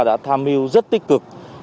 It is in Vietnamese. đã tham mưu rất tích cực